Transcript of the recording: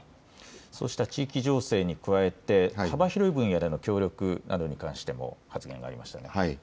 そうした地域情勢に加えて、幅広い分野での協力などに関しても発言がありましたね。